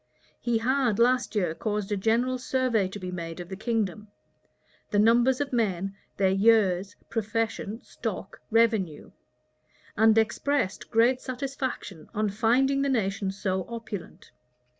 He had last year caused a general survey to be made of the kingdom; the numbers of men, their years, profession, stock, revenue;[*] and expressed great satisfaction on finding the nation so opulent.